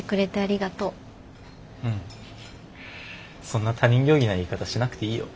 そんな他人行儀な言い方しなくていいよ。